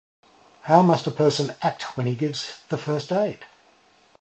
How must a person act when he gives the first aid?